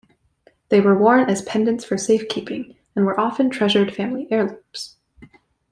They were worn as pendants for safekeeping, and were often treasured family heirlooms.